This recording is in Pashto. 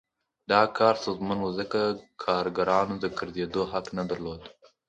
دا کار ستونزمن و ځکه کارګرانو د ګرځېدو حق نه درلود